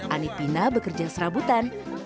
anipina bekerja serabutan